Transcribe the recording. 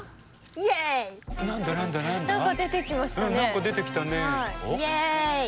イエイ！